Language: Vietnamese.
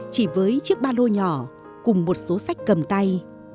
chỉ với chiếc ba lô nhỏ cùng một số sách cầm tay